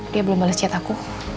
dia belum balas cita aku